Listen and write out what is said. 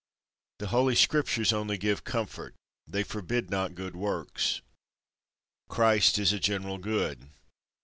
The Holy Scriptures only give comfort, they forbid not good works. Christ is a general good.